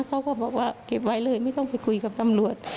เขาก็บอกว่าเก็บไว้เลยไม่ต้องไปคุยกับตำรวจ